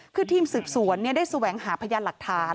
คือทีมสืบสวนได้แสวงหาพยานหลักฐาน